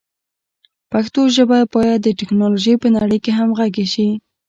پښتو ژبه باید د ټکنالوژۍ په نړۍ کې همغږي شي.